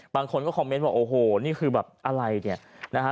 บางคนก็คอมเมนต์ว่าโอ้โหนี่คือแบบอะไรเนี่ยนะฮะ